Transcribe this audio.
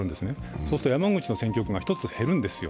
そうすると山口の選挙区が１つ減るんですよ。